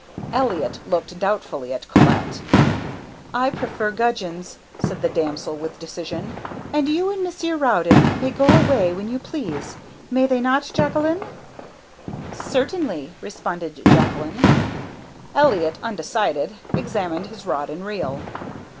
Elliott looked doubtfully at Colette. "I prefer gudgeons," said that damsel with decision, "and you and Monsieur Rowden may go away when you please; may they not, Jacqueline?" "Certainly," responded Jacqueline. Elliott, undecided, examined his rod and reel.